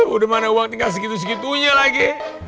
udah mana uang tinggal segitu segitunya lagi